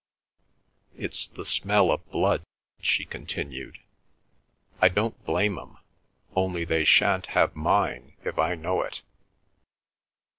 It's the smell of blood," she continued; "I don't blame 'em; only they shan't have mine if I know it!"